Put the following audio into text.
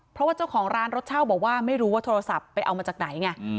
เพราะว่าเจ้าของร้านรถเช่าบอกว่าไม่รู้ว่าโทรศัพท์ไปเอามาจากไหนไง